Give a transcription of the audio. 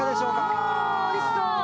おおおいしそう！